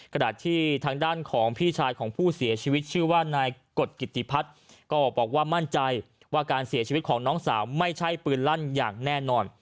ขณะที่ทางด้านของพี่ชายของผู้เสียชีวิตชื่อว่านายกฎกิติพัฒน์ก็บอกว่ามั่นใจว่าการเสียชีวิตของน้องสาวไม่ใช่ปืนลั่นอย่างแน่นอน